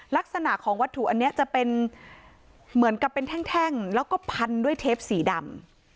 ลักษณะของวัตถุอันนี้จะเป็นเหมือนกับเป็นแท่งแล้วก็พันด้วยเทปสีดำ